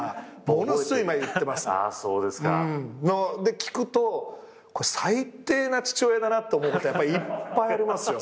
聞くと最低な父親だなと思うこといっぱいありますよ。